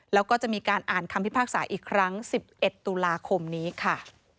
แล้วก็จะมีการอ่านคำพิพากษาอีกครั้ง๑๑ตุลาคมนี้ค่ะ